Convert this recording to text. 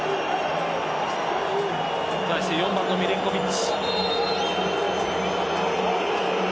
対して４番のミレンコヴィッチ。